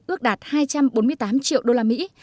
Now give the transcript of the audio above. ước đạt hai trăm bốn mươi tám triệu usd